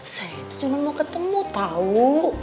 saya itu cuma mau ketemu tau